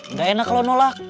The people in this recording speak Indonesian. nggak enak kalau nolak